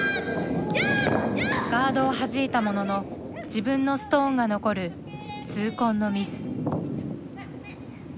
ガードをはじいたものの自分のストーンが残る痛恨のミス。